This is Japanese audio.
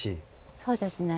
そうですね。